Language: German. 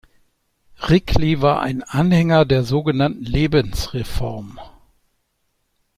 Rikli war ein Anhänger der sogenannten Lebensreform.